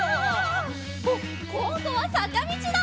あっこんどはさかみちだ！